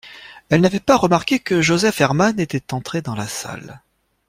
elle n’avait pas remarqué que Joseph Herman était entré dans la salle.